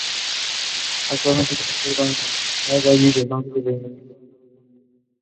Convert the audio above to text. This is what is now known as the Olive Avenue location site.